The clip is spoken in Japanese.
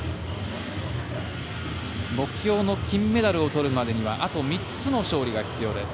目標の金メダルを取るまでにはあと３つの勝利が必要です。